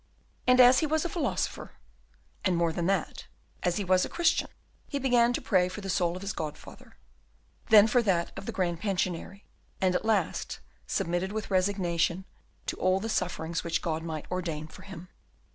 And as he was a philosopher, and, more than that, as he was a Christian, he began to pray for the soul of his godfather, then for that of the Grand Pensionary, and at last submitted with resignation to all the sufferings which God might ordain for him.